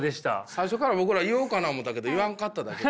最初から僕らは言おうかな思ったけど言わんかっただけ。